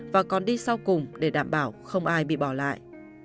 và còn đi sau cùng để đảm bảo không ai bị bỏ lại